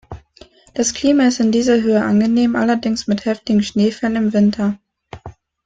Das Klima ist in dieser Höhe angenehm, allerdings mit heftigen Schneefällen im Winter.